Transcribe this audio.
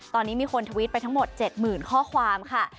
ตอนนี้มีคนทวิตไปทั้งหมด๗๐๐ข้อความค่ะ